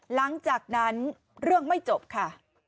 หลังจากนั้นเรื่องไม่จบค่ะ